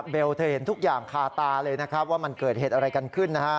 เธอเห็นทุกอย่างคาตาเลยนะครับว่ามันเกิดเหตุอะไรกันขึ้นนะฮะ